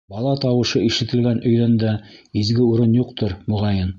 Бала тауышы ишетелгән өйҙән дә изге урын юҡтыр, моғайын.